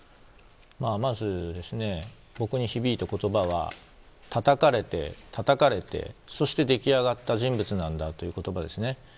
まずですね、僕に響いた言葉はたたかれて、たたかれてそして出来上がった人物なんだという言葉ですね。